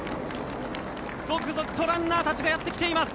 続々とランナーたちがやってきています。